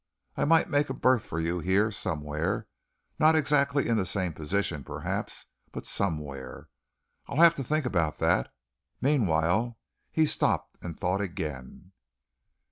I might make a berth for you here somewhere not exactly in the same position, perhaps, but somewhere. I'll have to think about that. Meanwhile" he stopped and thought again.